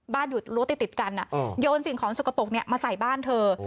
อยู่รั้วติดกันโยนสิ่งของสกปรกมาใส่บ้านเธอ